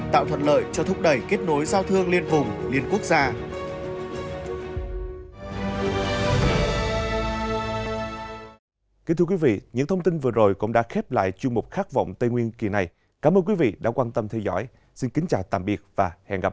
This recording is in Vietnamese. đạt lợi cho thúc đẩy kết nối giao thương liên vùng liên quốc gia